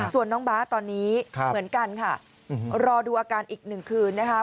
ส่วนน้องบาทตอนนี้เหมือนกันค่ะรอดูอาการอีกหนึ่งคืนนะคะ